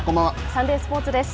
サンデースポーツです。